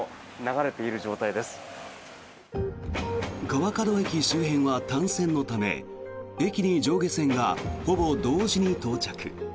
川角駅周辺は単線のため駅に上下線がほぼ同時に到着。